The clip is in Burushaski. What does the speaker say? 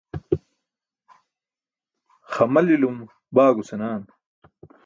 Xamalilum baago senaan.